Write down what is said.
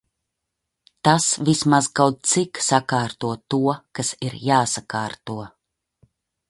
Tas vismaz kaut cik sakārto to, kas ir jāsakārto.